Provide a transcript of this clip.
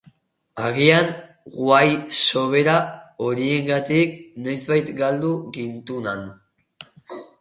Agian why sobera horiengatik noizbait galdu gintunan.